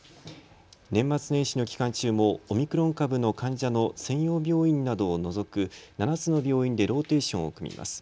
年末年始の期間中もオミクロン株の患者の専用病院などを除く７つの病院でローテーションを組みます。